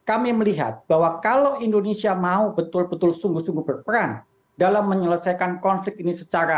kami melihat bahwa kalau indonesia mau betul betul sungguh sungguh berperan dalam menyelesaikan konflik ini secara